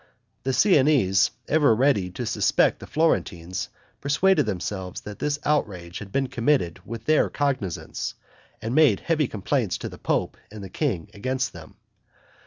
The Siennese, ever ready to suspect the Florentines, persuaded themselves that this outrage had been committed with their cognizance, and made heavy complaints to the pope and the king against them.